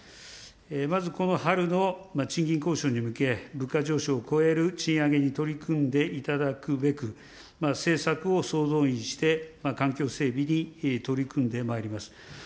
まずこの春の賃金交渉に向け、物価上昇を超える賃上げに取り組んでいただくべく、政策を総動員して、環境整備に取り組んでまいります。